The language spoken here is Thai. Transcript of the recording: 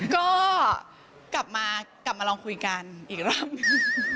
ก็กลับมาลองคุยกันอีกรอบหนึ่ง